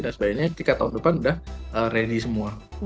dan sebaiknya ketika tahun depan sudah ready semua